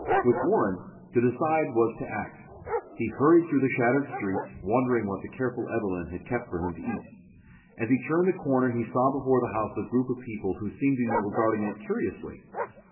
With Warren, to decide was to act. He hurried through the shattered streets, wondering what the careful Evelyn had kept for him to eat. As he turned the corner he saw before the house a group of people who seemed to be regarding it curiously.